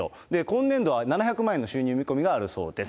今年度は７００万円の収入見込みがあるそうです。